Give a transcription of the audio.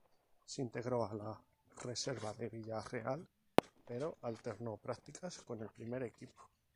Se integró a la reserva del Villarreal, pero alternó prácticas con el primer equipo.